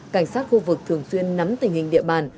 cảnh sát khu vực thường xuyên nắm tình hình địa bàn